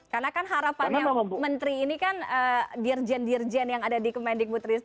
karena kan harapannya menteri ini kan dirjen dirjen yang ada di kemendik putri